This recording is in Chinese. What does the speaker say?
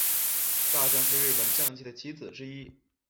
大将是日本将棋的棋子之一。